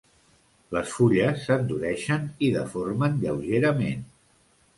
Les fulles s'endureixen i deformen lleugerament.